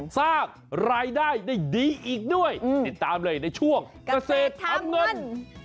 สร้างรายได้ได้ดีอีกด้วยติดตามเลยในช่วงเกษตรทำเงิน